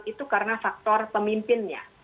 itu karena faktor pemimpinnya